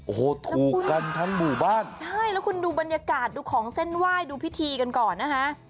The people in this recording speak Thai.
โอ้โหถูกกันทั้งหมู่บ้านใช่แล้วคุณดูบรรยากาศดูของเส้นไหว้ดูพิธีกันก่อนนะคะ